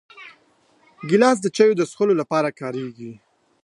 ګیلاس د چایو د څښلو لپاره کارېږي.